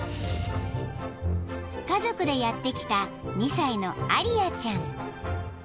［家族でやって来た２歳のアリアちゃん］